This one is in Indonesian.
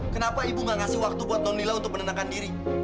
kenapa ibu gak ngasih waktu buat nonila untuk menenangkan diri